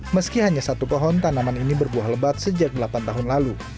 meski hanya satu pohon tanaman ini berbuah lebat sejak delapan tahun lalu